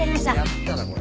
やったなこれ。